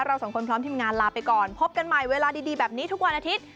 เราสองคนพร้อมทีมงานลาไปก่อนพบกันใหม่เวลาดีแบบนี้ทุกวันอาทิตย์